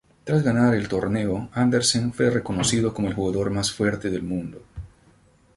Tras ganar el torneo, Anderssen fue reconocido como el jugador más fuerte del mundo.